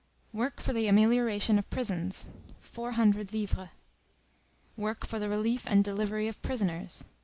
50 " Work for the amelioration of prisons ....... 400 " Work for the relief and delivery of prisoners